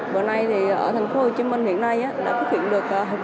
bữa nay thì ở thành phố hồ chí minh hiện nay đã phát hiện được